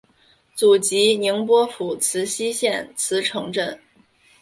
祖籍宁波府慈溪县慈城镇。